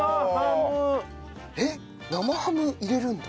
えっ生ハム入れるんだ。